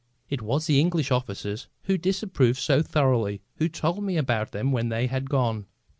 It was the English officers who disapproved so thoroughly who told me about them when they had gone.